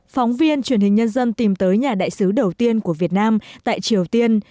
phóng viên truyền hình nhân dân tìm tới nhà đại sứ đầu tiên của việt nam tại triều tiên